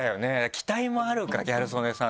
期待もあるかギャル曽根さんとなると。